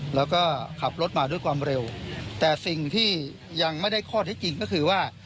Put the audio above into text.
แล้วก็ขับรถมาด้วยความเร็วแต่สิ่งที่ยังไม่ได้ข้อเท็จจริงก็คือว่า